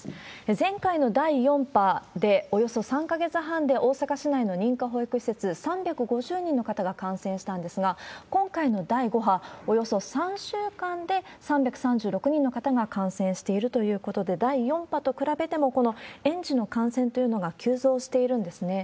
前回の第４波で、およそ３か月半で大阪市内の認可保育施設３５０人の方が感染したんですが、今回の第５波、およそ３週間で３３６人の方が感染しているということで、第４波と比べても、この園児の感染というのが急増しているんですね。